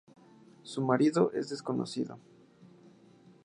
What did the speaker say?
Su marido es desconocido.